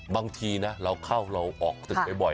บางทีนะเราเข้าเราออกตึกบ่อย